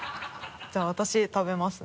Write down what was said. じゃあ私食べますね。